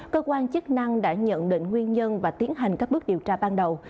cơ quan chức năng đã nhận định nguyên nhân và tiến hành các bước điều tra ban đầu